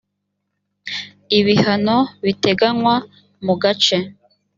ibihano biteganywa mu gace